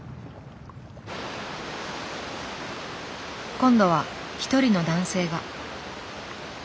今度は一人の男性が。